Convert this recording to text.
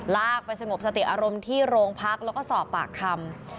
ไปสงบสติอารมณ์ที่โรงพักแล้วก็สอบปากคำ